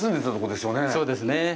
そうですね。